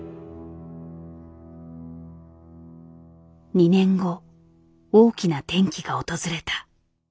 ２年後大きな転機が訪れた。